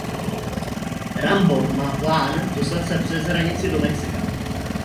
Rambo má plán dostat se přes hranici do Mexika.